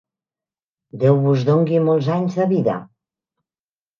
Déu vos dongui molts anys de vida.